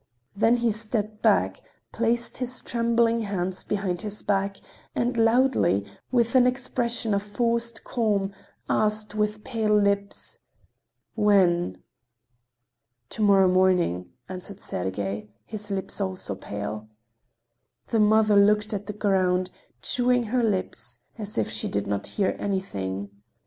Then he stepped back, placed his trembling hands behind his back, and loudly, with an expression of forced calm, asked with pale lips: "When?" "To morrow morning," answered Sergey, his lips also pale. The mother looked at the ground, chewing her lips, as if she did not hear anything.